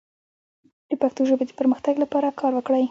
د پښتو ژبې د پرمختګ لپاره کار وکړئ.